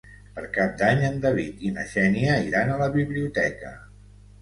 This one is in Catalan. Per Cap d'Any en David i na Xènia iran a la biblioteca.